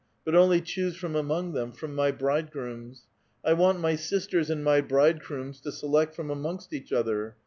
But only choose from among them, fi"om my bridegrooms. I want my sisters and my bridegrooms to select from amongst eacli other.